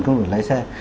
không được lái xe